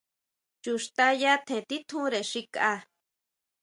Chu xtaya tjen titjure xi kʼa.